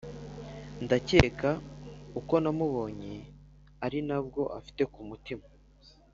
ndakeka uko namubonye arinabwo afite kumutima”